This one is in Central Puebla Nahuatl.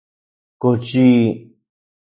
¿Kox yi...?